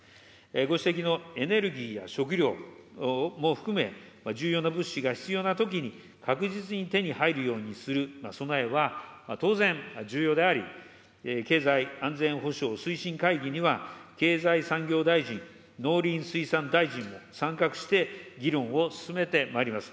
ご指摘のエネルギーや食料も含め、重要な物資が必要なときに確実に手に入るようにする備えは当然、重要であり、経済安全保障推進会議には、経済産業大臣、農林水産大臣も参画して、議論を進めてまいります。